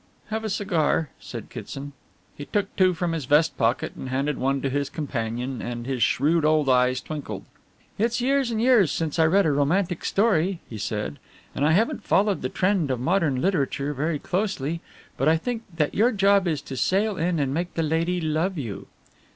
"Have a cigar," said Kitson. He took two from his vest pocket and handed one to his companion, and his shrewd old eyes twinkled. "It's years and years since I read a romantic story," he said, "and I haven't followed the trend of modern literature very closely, but I think that your job is to sail in and make the lady love you."